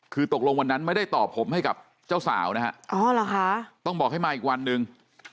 คือตกลงวันนั้นไม่ได้ตอบผมให้กับเจ้าสาวนะฮะอ๋อเหรอคะต้องบอกให้มาอีกวันหนึ่ง